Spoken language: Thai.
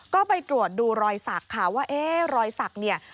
ก็ไปตรวจดูรอยสักค่ะว่าเอ๊ะรอยสักเนี่ย